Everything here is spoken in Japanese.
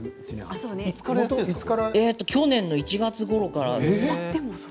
去年の１月ごろからです。